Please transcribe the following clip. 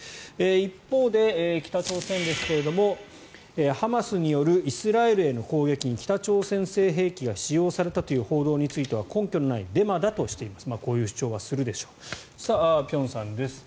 一方で北朝鮮ですがハマスによるイスラエルへの攻撃に北朝鮮製兵器が使用されたという報道については根拠のないデマだとしています。